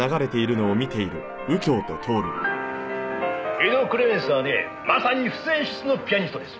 「エド・クレメンスはねまさに不世出のピアニストです」